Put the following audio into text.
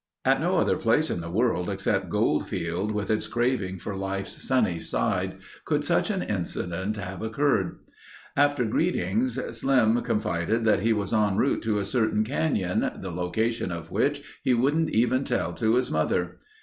At no other place in the world except Goldfield, with its craving for life's sunny side, could such an incident have occurred. After greetings Slim confided that he was en route to a certain canyon, the location of which he wouldn't even tell to his mother.